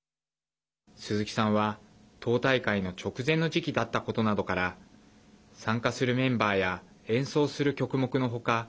鈴木さんは党大会の直前の時期だったことなどから参加するメンバーや演奏する曲目の他